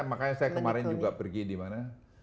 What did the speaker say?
makanya saya kemarin juga pergi dimana